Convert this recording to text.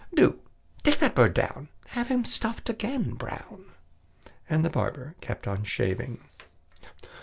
Do take that bird down; Have him stuffed again, Brown!" And the barber kept on shaving.